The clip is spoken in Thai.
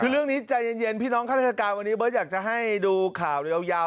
คือเรื่องนี้ใจเย็นพี่น้องข้าราชการวันนี้เบิร์ตอยากจะให้ดูข่าวยาว